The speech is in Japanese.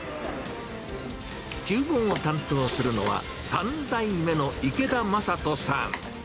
ちゅう房を担当するのは、３代目の池田正人さん。